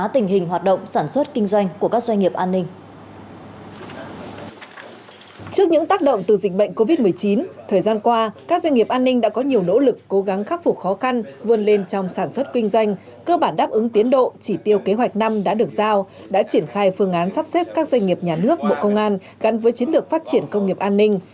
trước những tác động từ dịch bệnh covid một mươi chín thời gian qua các doanh nghiệp an ninh đã có nhiều nỗ lực cố gắng khắc phục khó khăn vươn lên trong sản xuất kinh doanh cơ bản đáp ứng tiến độ chỉ tiêu kế hoạch năm đã được giao đã triển khai phương án sắp xếp các doanh nghiệp nhà nước bộ công an gắn với chiến lược phát triển công nghiệp an ninh